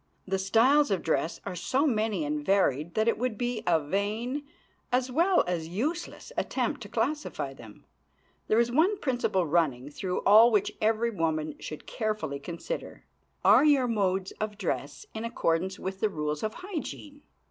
The styles of dress are so many and varied that it would be a vain, as well as useless, attempt to classify them. There is one principle running through all which every woman should carefully consider. Are your modes of dress in accordance with the rules of hygiene?